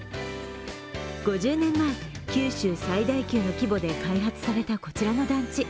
５０年前、九州最大級の規模で開発されたこちらの団地。